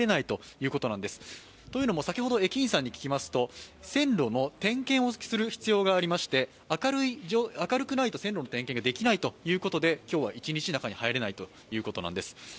というのも先ほど駅員さんに聞きますと線路の点検をする必要がありまして、明るくないと線路の点検ができないということで今日は一日、中に入れないということなんです。